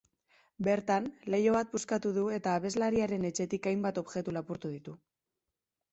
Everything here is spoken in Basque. Bertan, leiho bat puskatu du eta abeslariaren etxetik hainbat objektu lapurtu ditu.